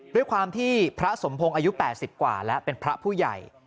ด้วยความที่พระสมพงศ์อายุ๘๐กว่าแล้วเป็นพระผู้ใหญ่